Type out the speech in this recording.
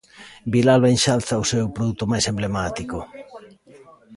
Vilalba enxalza o seu produto máis emblemático.